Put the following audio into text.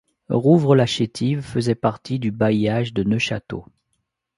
Rouvres-la-Chétive faisait partie du bailliage de Neufchâteau.